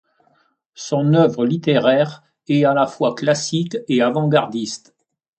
Son œuvre littéraire est à la fois classique et avant-gardiste.